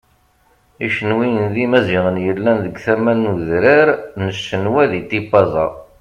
Icenwiyen d Imaziɣen yellan deg tama n udran n Cenwa di Tipaza.